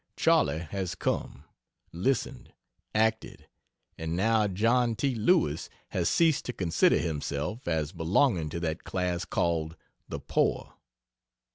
Charley has come, listened, acted and now John T. Lewis has ceased to consider himself as belonging to that class called "the poor."